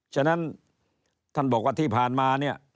ฉะนั้นท่านบอกว่าที่ผ่านมาเนี่ย